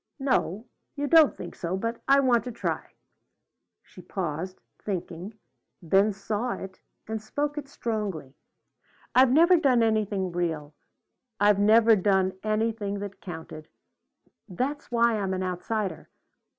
No, you don't think so; but I want to try." She paused, thinking; then saw it and spoke it strongly. "I've never done anything real. I've never done anything that counted. That's why I'm an outsider.